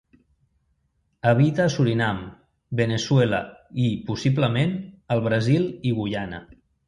Habita a Surinam, Veneçuela i, possiblement, al Brasil i Guyana.